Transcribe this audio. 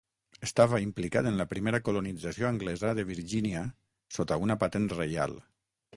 Estava implicat en la primera colonització anglesa de Virgínia sota una patent reial.